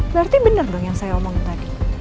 berarti bener dong yang saya omongin tadi